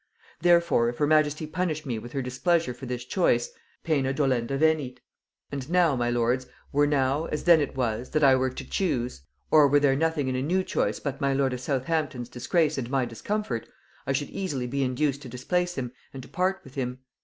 Therefore if her majesty punish me with her displeasure for this choice, poena dolenda venit. And now, my lords, were now, as then it was, that I were to choose, or were there nothing in a new choice but my lord of Southampton's disgrace and my discomfort, I should easily be induced to displace him, and to part with him.